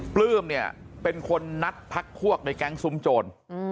ปลื้มเนี่ยเป็นคนนัดพักพวกในแก๊งซุ้มโจร